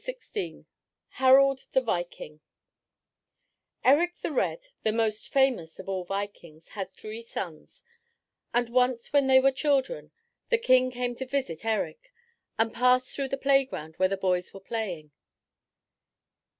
XVI HARALD THE VIKING Erik the Red, the most famous of all Vikings, had three sons, and once when they were children the king came to visit Erik and passed through the playground where the boys were playing.